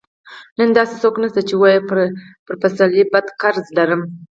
نن داسې څوک نشته چې ووايي پر پسرلي بد قرض لرم.